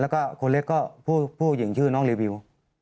แล้วก็คนเล็กก็ผู้หญิงชื่อน้องรีวิว